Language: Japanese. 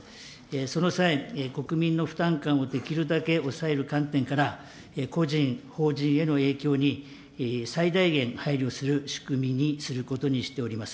その際、国民の負担感をできるだけ抑える観点から、個人、法人への影響に、最大限配慮する仕組みにすることにしております。